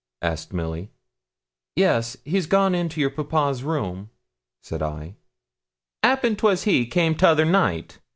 asked Milly. 'Yes, he's gone into your papa's room,' said I. ''Appen 'twas he come 'tother night.